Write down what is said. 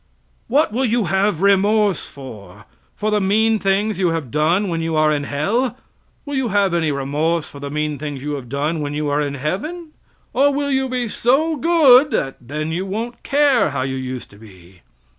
What will you have remorse for? For the mean things you have done when you are in hell? Will you have any remorse for the mean things you have done when you are in heaven? Or will you be so good then that you won't care how you used to be?